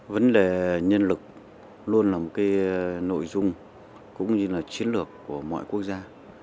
vấn đề nhân lực luôn là một cái nội dung cũng như là chiến lược của mọi quốc gia